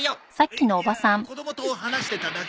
いいや子供と話してただけで。